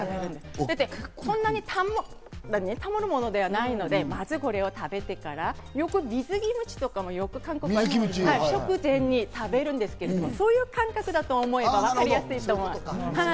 そんなにたまるものではないので、まずこれを食べてから、水キムチとかもよく食前に食べるんですけど、そういう感覚だと思えば、わかりやすいと思います。